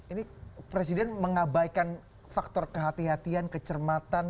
ini presiden mengabaikan faktor kehatian kehatian kecermatan